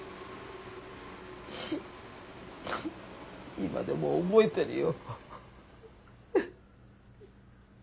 今でも覚えてるよ。